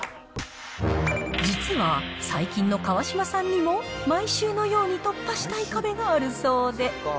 実は、最近の川島さんにも、毎週のように突破したい壁があるそうで。